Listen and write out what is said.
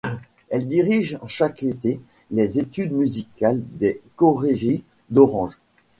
Elle dirige chaque été les études musicales des Chorégies d'Orange.